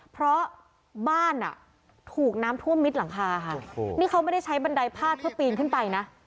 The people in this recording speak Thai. เพราะบ้านอ่ะถูกน้ำท่วมมิดหลังคาค่ะนี่เขาไม่ได้ใช้บันไดพาดเพื่อปีนขึ้นไปนะ